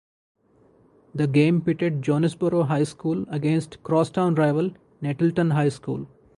The game pitted Jonesboro High School against cross-town rival Nettleton High School.